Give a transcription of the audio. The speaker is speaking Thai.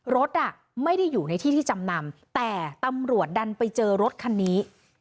รถไม่ได้อยู่ในที่ที่จำนำแต่ตำรวจดันไปเจอรถคันนี้